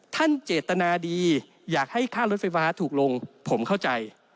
เจตนาดีอยากให้ค่ารถไฟฟ้าถูกลงผมเข้าใจ